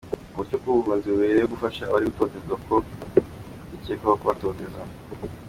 Uburyo bw’ubuhunzi bubereyeho gufasha abari gutotezwa aho kuba abakekwaho kubatoteza.